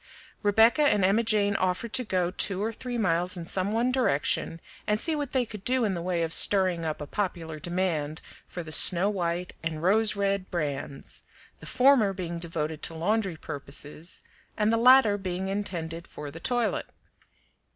Rebecca and Emma Jane offered to go two or three miles in some one direction and see what they could do in the way of stirring up a popular demand for the Snow White and Rose Red brands, the former being devoted to laundry purposes and the latter being intended for the toilet.